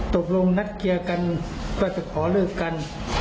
ตกลงนัดเคลียร์กันว่าจะขอเลิกกัน